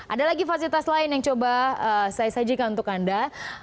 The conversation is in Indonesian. ada lagi fasilitas lain yang coba saya sajikan untuk anda